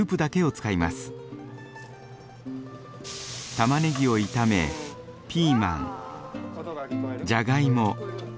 たまねぎを炒めピーマンジャガイモ